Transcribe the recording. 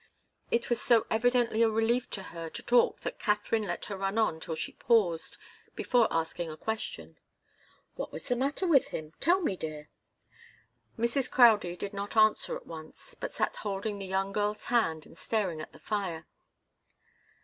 It was so evidently a relief to her to talk that Katharine let her run on till she paused, before asking a question. "What was the matter with him? Tell me, dear." Mrs. Crowdie did not answer at once, but sat holding the young girl's hand and staring at the fire.